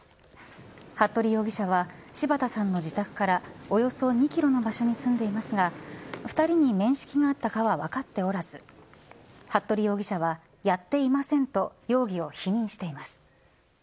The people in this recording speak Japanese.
服部容疑者は、柴田さんの自宅からおよそ２キロの場所に住んでいますが、２人に面識があったかは分かっておらず、服部容疑者はやっていませんと、容疑を否認しています。